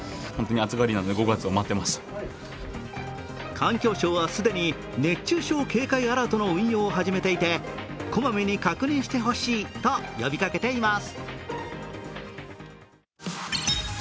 環境省は既に熱中症警戒アラートの運用を始めていてこまめに確認してほしいと呼びかけています。